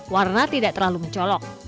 warna tidak terlalu mencolok